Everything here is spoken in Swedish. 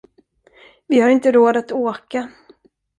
Vi har inte råd att åka.